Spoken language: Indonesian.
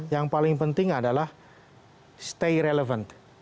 yang paling penting adalah stay relevan